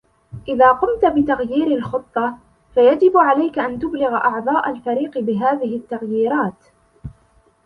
إذا قمت بتغيير الخطة، فيجب عليك أن تبلغ أعضاء الفريق بهذه التغييرات.